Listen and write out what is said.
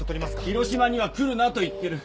広島には来るなと言ってる。